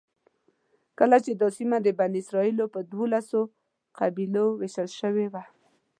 کله چې دا سیمه د بني اسرایلو په دولسو قبیلو وېشل شوې وه.